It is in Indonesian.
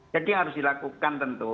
jadi harus dilakukan tentu